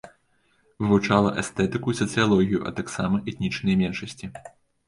Вывучала эстэтыку і сацыялогію, а таксама этнічныя меншасці.